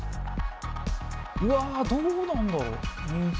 うわどうなんだろ水。